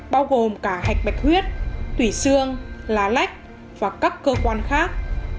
bao gồm cả hạch bạch huyết tủy xương lá lách và các cơ quan khác